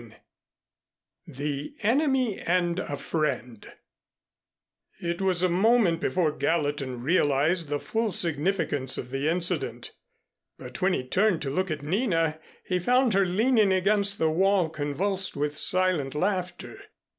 XVIII THE ENEMY AND A FRIEND It was a moment before Gallatin realized the full significance of the incident, but when he turned to look at Nina, he found her leaning against the wall convulsed with silent laughter.